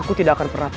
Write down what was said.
terima kasih nipis